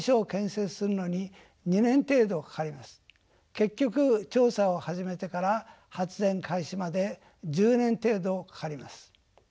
結局調査を始めてから発電開始まで１０年程度かかります。